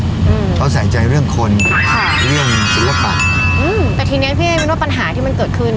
อืมเขาใส่ใจเรื่องคนค่ะเรื่องศิลปะอืมแต่ทีเนี้ยพี่เอ๊มินว่าปัญหาที่มันเกิดขึ้น